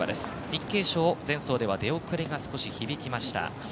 日経賞、前走では出遅れが少し響きました。